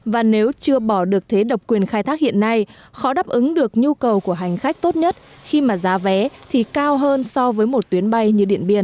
và nếu chưa bỏ được thế độc quyền khai thác hiện nay khó đáp ứng được nhu cầu của hành khách tốt nhất khi mà giá vé thì cao hơn so với một tuyến bay như điện biên